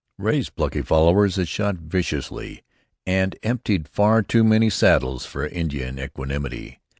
Ray's plucky followers had shot viciously and emptied far too many saddles for Indian equanimity.